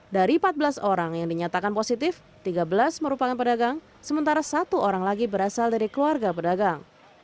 dari empat belas orang yang dinyatakan positif tiga belas merupakan pedagang sementara satu orang lagi berasal dari keluarga pedagang